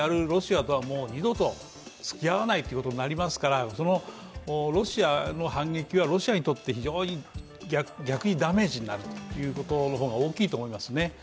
ロシアとはもう二度と付き合わないということになりますからそのロシアの反撃は、ロシアにとって非常に逆にダメージになることの方が大きいと思いますね。